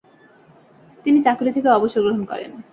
তিনি চাকুরি থেকে অবসর গ্রহণ করেন।